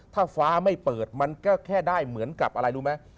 ถ้าฟ้าไม่เปิดมันก็แค่ได้เหมือนกับอะไรรู้ไหม